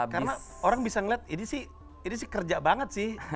karena orang bisa ngeliat ini sih kerja banget sih